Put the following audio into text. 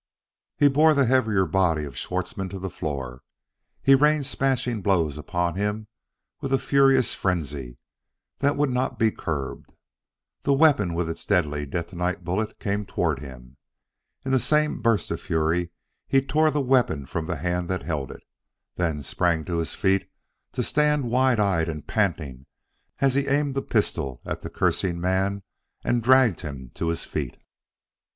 He bore the heavier body of Schwartzmann to the floor. He rained smashing blows upon him with a furious frenzy that would not be curbed. The weapon with its deadly detonite bullet came toward him. In the same burst of fury he tore the weapon from the hand that held it; then sprang to his feet to stand wild eyed and panting is he aimed the pistol at the cursing man and dragged him to his feet.